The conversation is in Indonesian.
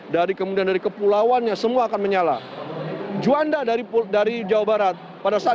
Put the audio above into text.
dari kemudian dari kepulauannya semua akan menyala juanda dari jawa barat pada saat